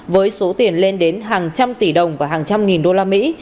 với số tiền lên đến hàng trăm tỷ đồng và hàng trăm nghìn đô la mỹ